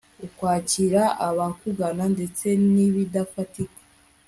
ukwakira abakugana ndetse n'ibidafatika